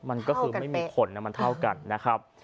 มันก็คือไม่มีคนนะมันเท่ากันนะครับ